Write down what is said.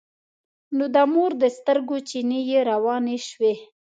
نو د مور د سترګو چينې يې روانې شوې.